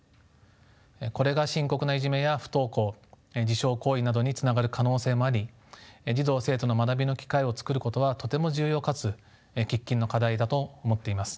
これが深刻ないじめや不登校自傷行為などにつながる可能性もあり児童・生徒の学びの機会を作ることはとても重要かつ喫緊の課題だと思っています。